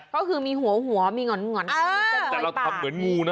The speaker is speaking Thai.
ก็คือมีหัวหัวมีหง่อนแต่เราทำเหมือนงูนะ